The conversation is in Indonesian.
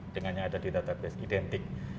dengan yang ada di database identik